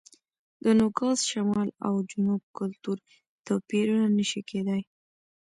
د نوګالس شمال او جنوب کلتور توپیرونه نه شي کېدای.